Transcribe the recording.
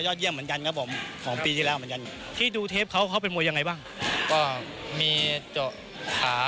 ดูเราหลากหลายกว่าแล้วก็ศอกกับเราน่ากลัวกว่าแข้งเค้า